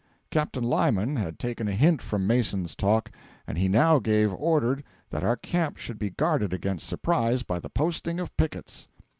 Captain Lyman had taken a hint from Mason's talk, and he now gave orders that our camp should be guarded against surprise by the posting of pickets.